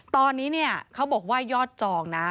ตอนนี้เขาบอกว่ายอดจอง